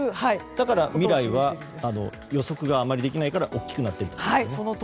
だから未来が予測があまりできないから大きくなっていると。